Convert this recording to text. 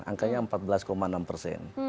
angkanya empat belas enam persen